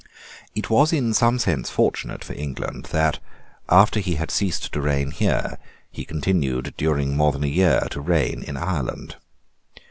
It was in some sense fortunate for England that, after he had ceased to reign here, he continued during more than a year to reign in Ireland.